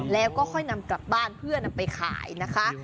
แล้วก็ค่อยนำกลับบ้านเพื่อนำไปขายนะคะ